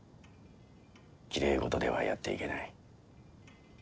きれい事ではやっていけない。